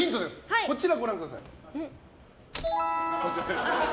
こちらをご覧ください。